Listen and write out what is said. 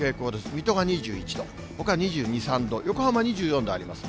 水戸が２１度、ほか２２、３度、横浜２４度あります。